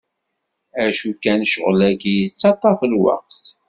Acu kan, ccɣel-agi yettaṭṭaf lweqt.